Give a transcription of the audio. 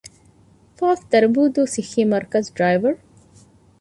ފ. ދަރަނބޫދޫ ސިއްޙީމަރުކަޒު، ޑްރައިވަރު